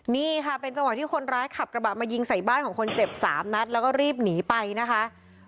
นี่ค่ะเป็นจังหวังที่คนร้ายขับกระบะมายินไฟบ้านจีบนัดแล้วก็รีบหนีไปนะคะ